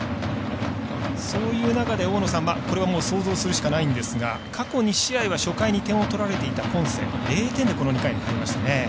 そういう中で大野さんこれは想像するしかないんですが過去２試合は初回に点を取られていたポンセ、０点でこの２回は入りましたね。